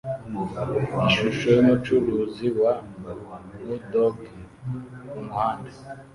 Ishusho yumucuruzi wa hotdog mumuhanda